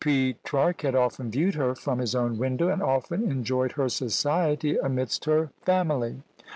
Petrarch had often viewed her from his own window, and often enjoyed her society amidst her family.